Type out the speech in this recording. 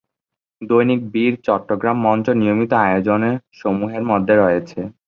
দৈনিক বীর চট্টগ্রাম মঞ্চ নিয়মিত আয়োজন সমূহের মধ্যে রয়েছে-